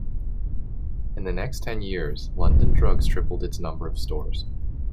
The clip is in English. In the next ten years, London Drugs tripled its number of stores.